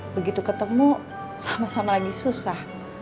begitu ketemu sama sama lagi susah